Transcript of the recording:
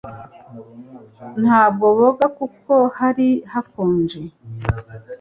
Ntabwo boga kuko hari hakonje